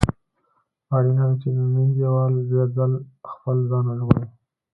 اړینه ده چې دننی دېوال بیا ځل خپل ځان ورغوي.